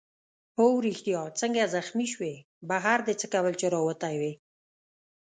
هو ریښتیا څنګه زخمي شوې؟ بهر دې څه کول چي راوتی وې؟